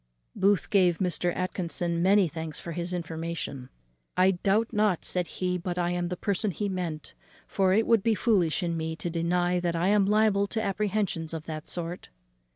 Booth gave Mr. Atkinson many thanks for his information. "I doubt not," said he, "but I am the person meant; for it would be foolish in me to deny that I am liable to apprehensions of that sort."